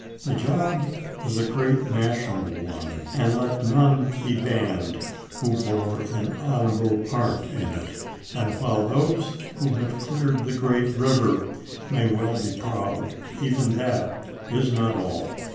The job was a great national one, and let none be banned who bore an honorable part in it. And while those who have cleared the great river may well be proud, even that is not all.